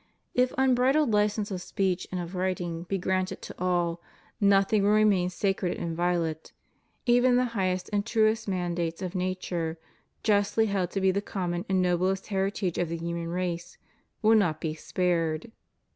If unbridled license of speech and of writing be granted to all, nothing will remain sacred and inviolate; even the highest and truest mandates of nature, justly held to be the common and noblest heritage of the human race, will not be spared.